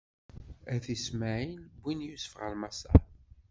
At Ismaɛil wwin Yusef ɣer Maṣer.